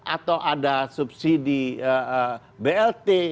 atau ada subsidi blt